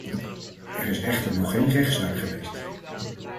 Er is echter nog geen rechtszaak geweest.